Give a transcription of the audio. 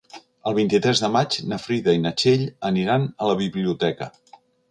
El vint-i-tres de maig na Frida i na Txell aniran a la biblioteca.